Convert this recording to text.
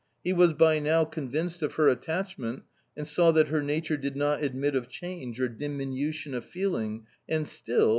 He was by now convinced of her attachment and saw that her nature did not admit of change or diminution of feeling and still